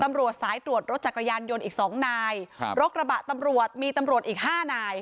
ตำรวจสายตรวจรถจักรยานยนต์อีกสองนายครับรถกระบะตำรวจมีตำรวจอีกห้านาย